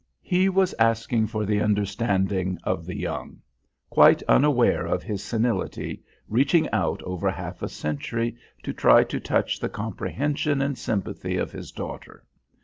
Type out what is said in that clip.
He was asking for the understanding of the young; quite unaware of his senility, reaching out over half a century to try to touch the comprehension and sympathy of his daughter.